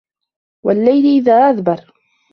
وَاللَّيلِ إِذ أَدبَرَ